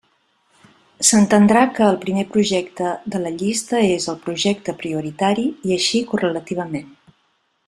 S'entendrà que el primer projecte de la llista és el projecte prioritari i així correlativament.